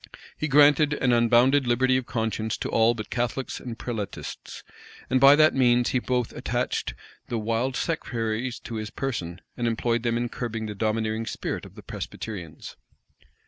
He granted an unbounded liberty of conscience to all but Catholics and Prelatists; and by that means he both attached the wild sectaries to his person, and employed them in curbing the domineering spirit of the Presbyterians.